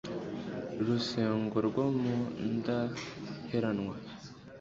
Rusengo rwo mu Ndaheranwa